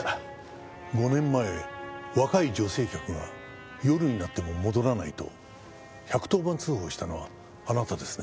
５年前若い女性客が夜になっても戻らないと１１０番通報したのはあなたですね？